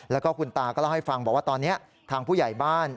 แล้วก็คุณตาก็เล่าให้ฟังบอกว่าตอนนี้ทางผู้ใหญ่บ้าน